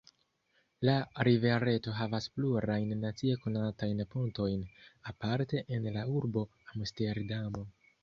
La rivereto havas plurajn nacie konatajn pontojn, aparte en la urbo Amsterdamo.